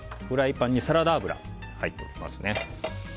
フライパンにサラダ油が入っております。